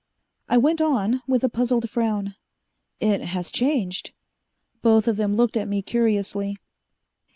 I went on, with a puzzled frown. "It has changed...." Both of them looked at me curiously.